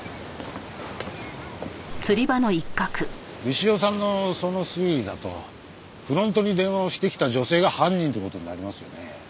牛尾さんのその推理だとフロントに電話をしてきた女性が犯人って事になりますよね。